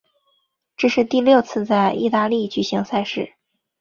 这是第六次在意大利举行赛事。